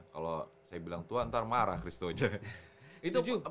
kalau saya bilang tua ntar marah christo aja